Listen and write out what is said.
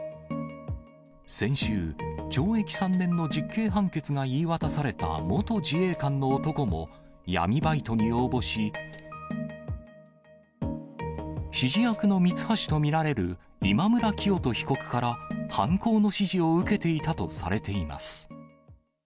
先週、懲役３年の実刑判決が言い渡された元自衛官の男も、闇バイトに応募し、指示役のミツハシと見られる今村磨人被告から犯行の指示を受けていたとされています。